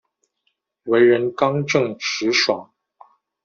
为人刚正直爽。